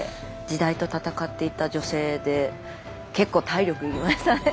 時代と闘っていた女性で結構体力要りましたね。